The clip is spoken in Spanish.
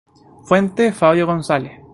Fuente: Favio Gonzales.